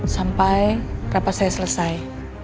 sampai rapat saya selesai